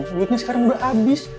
duitnya sekarang udah abis